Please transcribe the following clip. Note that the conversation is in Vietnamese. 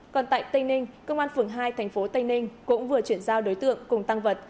còn tại tây ninh công an phường hai tp tây ninh cũng vừa chuyển giao đối tượng cùng tăng vật